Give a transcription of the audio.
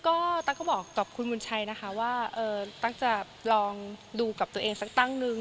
ก็ตั๊กก็บอกกับคุณบุญชัยนะคะว่าตั๊กจะลองดูกับตัวเองสักตั้งนึง